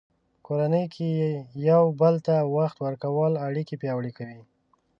په کورنۍ کې یو بل ته وخت ورکول اړیکې پیاوړې کوي.